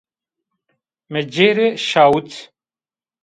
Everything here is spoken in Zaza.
Mi ci rê şawit